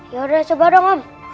yaudah coba dong om